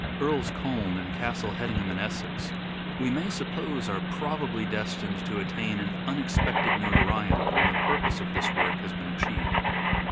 Earl's Colne and Castle Hedingham in Essex we may suppose are probably destined to attain an unexpected notoriety when the purpose of this work has been achieved.